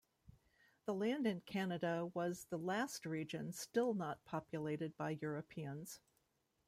The land in Canada was the last region still not populated by Europeans.